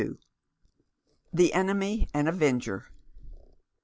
THE ENEMY AND AVENGER.